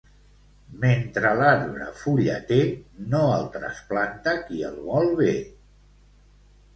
Mentre l'arbre fulla té, no el trasplanta qui el vol bé.